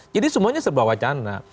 jadi semuanya sebuah wacana